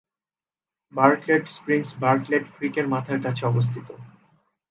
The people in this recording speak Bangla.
বার্টলেট স্প্রিংস বার্টলেট ক্রিকের মাথার কাছে অবস্থিত।